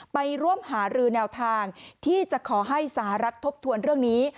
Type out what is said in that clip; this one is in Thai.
ไปร่วมหารือแนวทางที่จะขอให้สหรัฐทบทวนเรื่องนี้